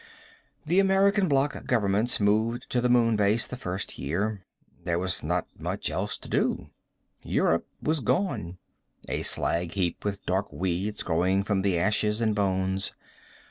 The American bloc governments moved to the Moon Base the first year. There was not much else to do. Europe was gone; a slag heap with dark weeds growing from the ashes and bones.